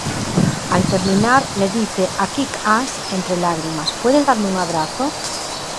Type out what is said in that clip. Al terminar le dice a "Kick-Ass" entre lágrimas: “¿Puedes darme un abrazo?